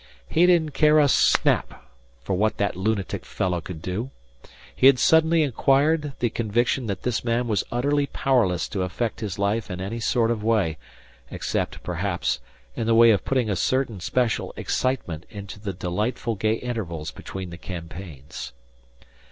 He didn't care a snap for what that lunatic fellow could do. He had suddenly acquired the conviction that this man was utterly powerless to affect his life in any sort of way, except, perhaps, in the way of putting a certain special excitement into the delightful gay intervals between the campaigns.